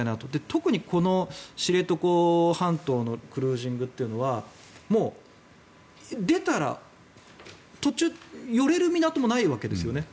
特に、この知床半島のクルージングというのはもう出たら途中、寄れる港もないわけですよね。